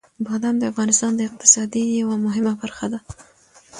بادام د افغانستان د اقتصاد یوه مهمه برخه ده.